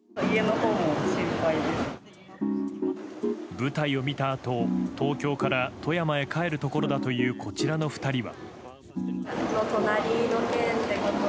舞台を見たあと、東京から富山に帰るところだというこちらの２人は。